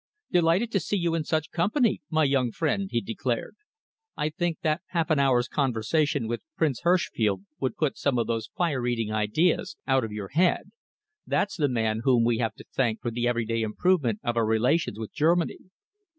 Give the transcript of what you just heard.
"Delighted to see you in such company, my young friend," he declared. "I think that half an hour's conversation with Prince Herschfeld would put some of those fire eating ideas out of your head. That's the man whom we have to thank for the everyday improvement of our relations with Germany."